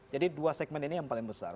jadi dua segmen ini yang paling besar